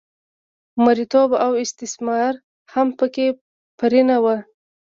مریتوب او استثمار هم په کې پرېنه و.